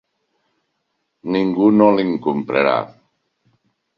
Ningú no li'n comprarà.